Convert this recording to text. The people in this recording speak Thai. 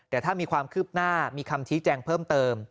แต่ถ้ามีความคืบหน้ามีคำชี้แจงเพิ่มเติม